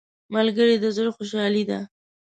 ملګری د زړه خوشحالي ده